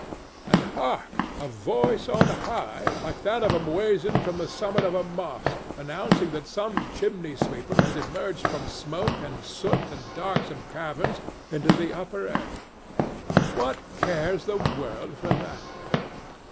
And hark! a voice on high, like that of a muezzin from the summit of a mosque, announcing that some chimney sweeper has emerged from smoke and soot and darksome caverns into the upper air. What cares the world for that?